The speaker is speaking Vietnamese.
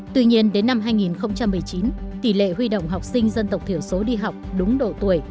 tuy nhiên đến năm hai nghìn một mươi chín tỷ lệ huy động học sinh dân tộc thiểu số đi học đúng độ tuổi